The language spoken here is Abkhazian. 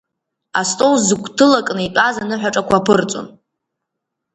Астол зыгәҭылакны итәаз аныҳәаҿақәа аԥырҵон.